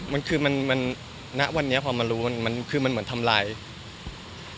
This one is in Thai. มันคือมันมันณะวันเนี้ยความมารู้มันมันคือมันเหมือนทำลายความรู้สึก